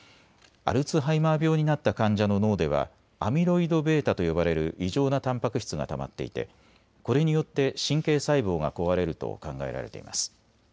アルツハイマー病になった患者の脳ではアミロイドβと呼ばれる異常なたんぱく質がたまっていてこれによって神経細胞が壊れると考えられています。